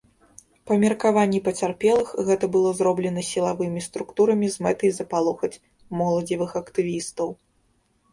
Па меркаванні пацярпелых, гэта было зроблена сілавымі структурамі з мэтай запалохаць моладзевых актывістаў.